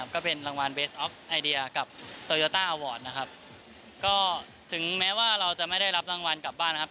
ก็ถึงแม้ว่าเราจะไม่ได้รับรางวัลกลับบ้านนะครับ